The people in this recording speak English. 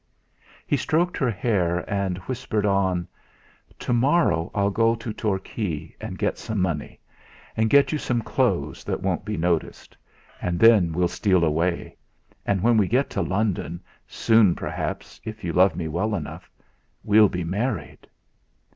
He stroked her hair, and whispered on: "To morrow I'll go to Torquay and get some money, and get you some clothes that won't be noticed, and then we'll steal away. And when we get to London, soon perhaps, if you love me well enough, we'll be married."